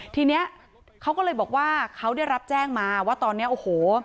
ทีนี้เขาก็เลยบอกว่าเขาได้รับแจ้งมาว่าตอนนี้โอ้โห